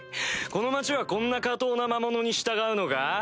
この町はこんな下等な魔物に従うのか？